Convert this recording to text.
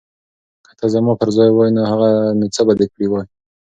که ته زما پر ځای وای نو څه به دې کړي وای؟